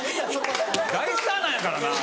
大スターなんやからな！